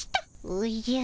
おじゃ。